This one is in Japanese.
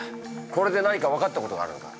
これで何か分かったことがあるのか？